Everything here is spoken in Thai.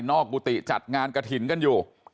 นอกบุติจัดงานกฐินกันอยู่